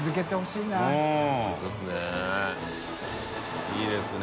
いいですね。